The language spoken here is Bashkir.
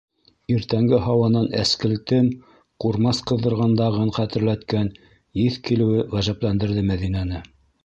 Иртәнге һауанан әскелтем, ҡурмас ҡыҙҙырғандағын хәтерләткән еҫ килеүе ғәжәпләндерҙе Мәҙинәне.